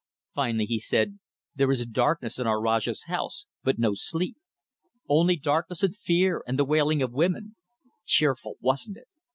Finally he said, 'There is darkness in our Rajah's house, but no sleep. Only darkness and fear and the wailing of women.' Cheerful, wasn't it?